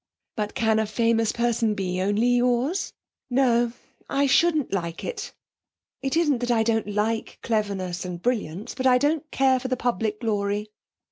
'But, can a famous person be only yours? No. I shouldn't like it. It isn't that I don't like cleverness and brilliance, but I don't care for the public glory.'